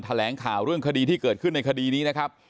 แถลงข่าวเรื่องคดีที่เกิดขึ้นในคดีนี้นะครับ